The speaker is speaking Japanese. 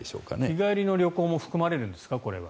日帰りの旅行もこれは含まれるんですか？